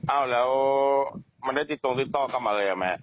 อ้าวแล้วมันได้ติดต่อติดต่อกลับมาเลยไหม